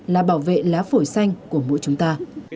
là bảo vệ lá phổi xanh của mỗi chúng ta